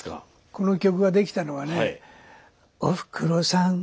この曲ができたのはね「おふくろさん」。